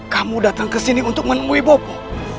kamu datang kesini untuk menemui bopo